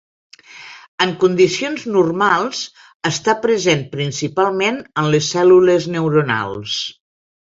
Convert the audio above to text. En condicions normals està present principalment en les cèl·lules neuronals.